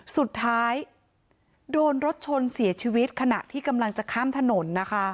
สุดท้ายโดนรถชนเสียชีวิตขณะที่กำลังจะข้ามถนนนะคะ